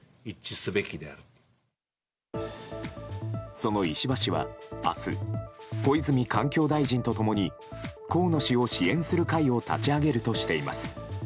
その石破氏は、明日小泉環境大臣と共に河野氏を支援する会を立ち上げるとしています。